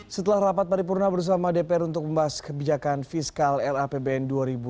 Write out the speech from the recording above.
setelah rapat paripurna bersama dpr untuk membahas kebijakan fiskal rapbn dua ribu delapan belas